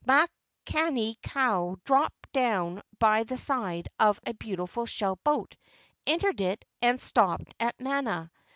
Makani kau dropped down by the side of a beautiful shell boat, entered it, and stopped at Mana.